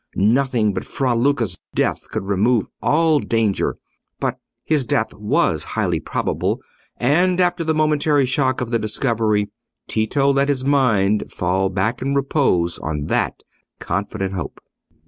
nothing but Fra Luca's death could remove all danger; but his death was highly probable, and after the momentary shock of the discovery, Tito let his mind fall back in repose on that confident hope.